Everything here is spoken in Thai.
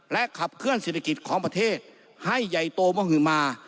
ขับเคลื่อนเศรษฐกิจของประเทศให้ใหญ่โตมหือมา